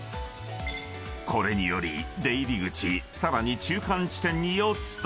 ［これにより出入り口さらに中間地点に４つと］